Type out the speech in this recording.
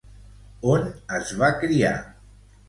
On es va criar?